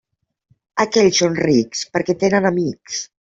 Aquells són rics, perquè tenen amics.